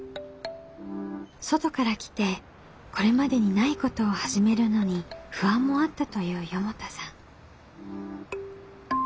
外から来てこれまでにないことを始めるのに不安もあったという四方田さん。